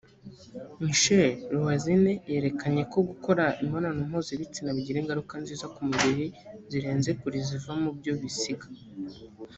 Michael Roizen yerekanye ko gukora imibonano mpuzabitsina bigira ingaruka nziza ku mubiri zirenze kure iziva mu byo bisiga